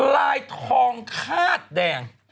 ลายทองคาดแดง